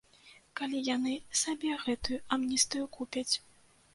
Калі яны сабе гэтую амністыю купяць.